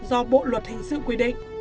do bộ luật hình sự quy định